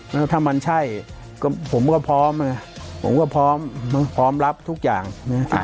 แล้วถ้ามันใช่ก็ผมก็พร้อมนะผมก็พร้อมพร้อมรับทุกอย่างนะ